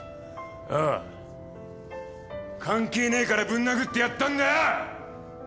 ああ関係ねえからぶん殴ってやったんだよ！